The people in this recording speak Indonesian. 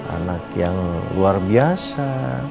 anak yang luar biasa